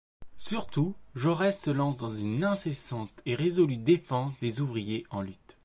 Surtout, Jaurès se lance dans une incessante et résolue défense des ouvriers en lutte.